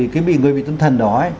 cái người bị tâm thần đó